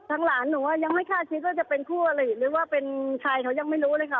หลานหนูยังไม่คาดคิดว่าจะเป็นคู่อลิหรือว่าเป็นใครเขายังไม่รู้เลยค่ะ